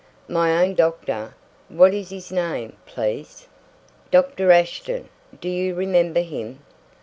"My own doctor? What is his name, please?" "Dr. Ashton. Do you remember him?"